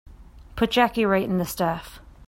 Put Jackie right on the staff.